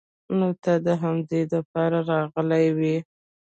نو ته د همدې د پاره راغلې وې.